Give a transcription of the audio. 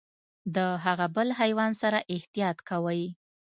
د هغه بل حیوان سره احتياط کوئ .